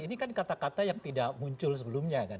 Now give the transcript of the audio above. ini kan kata kata yang tidak muncul sebelumnya kan